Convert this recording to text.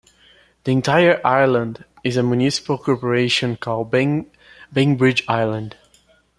The entire Island is a municipal corporation called Bainbridge Island.